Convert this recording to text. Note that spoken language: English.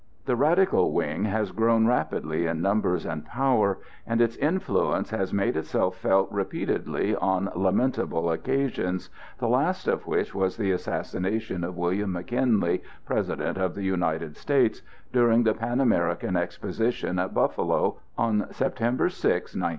The radical wing has grown rapidly in numbers and power, and its influence has made itself felt repeatedly on lamentable occasions, the last of which was the assassination of William McKinley, President of the United States, during the Pan American Exposition at Buffalo, on September 6, 1901.